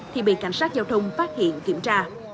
thì bị cảnh sát giao thông phát hiện kiểm tra